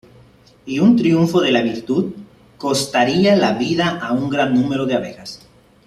Y un triunfo de la virtud costaría la vida a gran número de abejas.